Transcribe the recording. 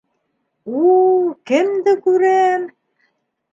У-у... кемде күрәм!